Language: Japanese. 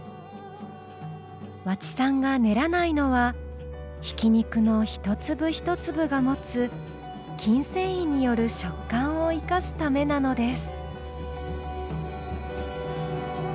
和知さんが練らないのはひき肉の一粒一粒が持つ筋繊維による食感を生かすためなのです。